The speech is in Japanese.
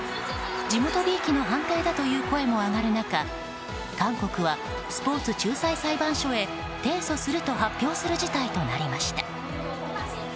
地元びいきの判定だという声も上がる中韓国はスポーツ仲裁裁判所へ提訴すると発表する事態となりました。